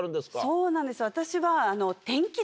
そうなんです私は。